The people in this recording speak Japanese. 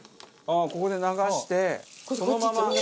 ここで流してそのまま。